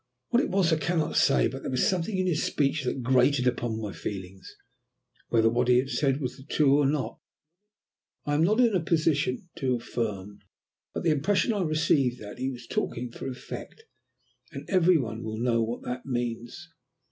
What it was I cannot say, but there was something in his speech that grated upon my feelings. Whether what he had said were true or not, I am not in a position to affirm, but the impression I received was that he was talking for effect, and every one will know what that means.